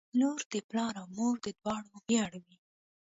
• لور د پلار او مور دواړو ویاړ وي.